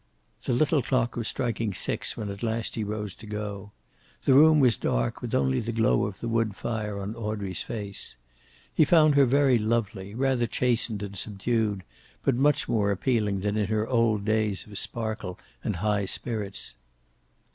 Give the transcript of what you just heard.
The little clock was striking six when at last he rose to go. The room was dark, with only the glow of the wood fire on Audrey's face. He found her very lovely, rather chastened and subdued, but much more appealing than in her old days of sparkle and high spirits.